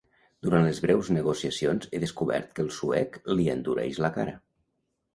Durant les breus negociacions he descobert que el suec li endureix la cara.